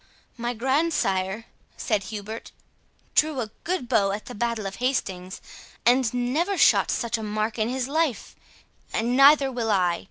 "My grandsire," said Hubert, "drew a good bow at the battle of Hastings, and never shot at such a mark in his life—and neither will I.